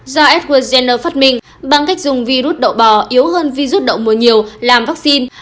do edward jenner phát minh bằng cách dùng virus đậu bò yếu hơn virus đậu mùa nhiều làm vaccine